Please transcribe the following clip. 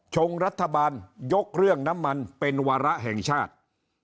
ชงรัฐบาลยกเรื่องน้ำมันเป็นวาระแห่งชาติ